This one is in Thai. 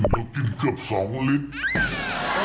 แล้วกินเกือบสองลิตร